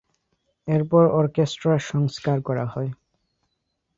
এরপর অর্কেস্ট্রার সংস্কার করা হয়।